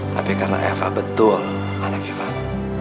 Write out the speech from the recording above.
tapi karena eva betul anak ivan